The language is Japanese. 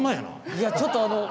いやちょっとあの。